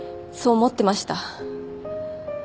そう思ってました。